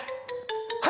はい！